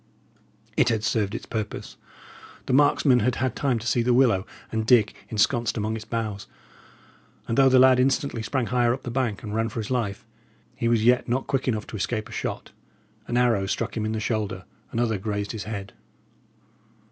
It had served its purpose. The marksmen had had time to see the willow, and Dick ensconced among its boughs; and though the lad instantly sprang higher up the bank, and ran for his life, he was yet not quick enough to escape a shot. An arrow struck him in the shoulder, another grazed his head.